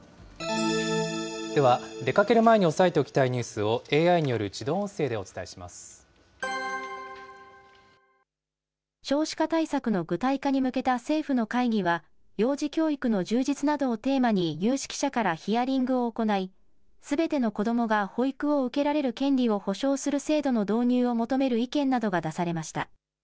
では、出かける前に押さえておきたいニュースをＡＩによる自少子化対策の具体化に向けた政府の会議は、幼児教育の充実などをテーマに、有識者からヒアリングを行い、すべての子どもが保育を受けられる権利を保障する制度の導入を求める意見などが出されました。